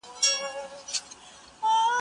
ليدلو ته يې بيلي , بيلي لاري جوړوم